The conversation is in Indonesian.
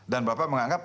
dan bapak menganggap